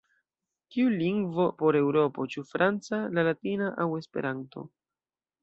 Kiu lingvo por Eŭropo: ĉu franca, la latina aŭ Esperanto?"“.